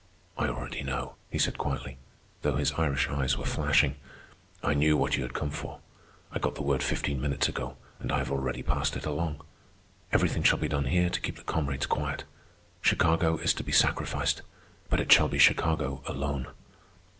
"I already know," he said quietly, though his Irish eyes were flashing. "I knew what you had come for. I got the word fifteen minutes ago, and I have already passed it along. Everything shall be done here to keep the comrades quiet. Chicago is to be sacrificed, but it shall be Chicago alone."